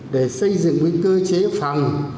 để xây dựng một cơ chế phòng